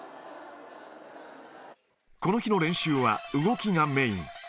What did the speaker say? この日の練習は、動きがメイン。